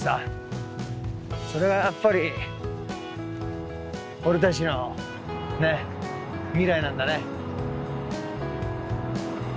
それがやっぱり俺たちのねえ未来なんだね。